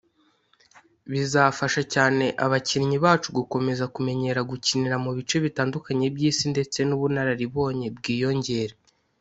Bizafasha cyane abakinnyi bacu gukomeza kumenyera gukinira mu bice bitandukanye by’Isi ndetse n’ubunararibonye bwiyongere